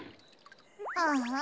ああ。